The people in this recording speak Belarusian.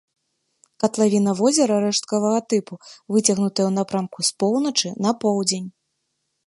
Катлавіна возера рэшткавага тыпу, выцягнутая ў напрамку з поўначы на поўдзень.